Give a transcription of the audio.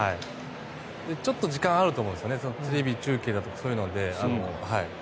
ちょっと時間があると思うんですテレビ中継だとかそういうので。